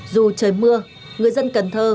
dù trời mưa người dân cần thơ